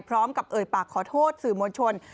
พร้อมกับเอ่ยปากขอโทษสื่อมวลชน